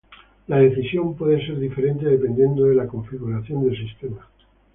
La decisión puede ser diferente dependiendo de la configuración del sistema.